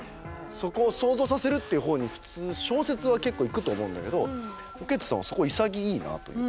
そこを想像させるっていう方に普通小説は結構いくと思うんだけど雨穴さんはそこ潔いなというか。